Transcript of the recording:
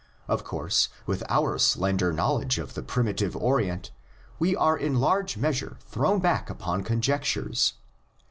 Of course, with our slender knowledge of the primitive Orient we are in large measure thrown back upon conjec tures.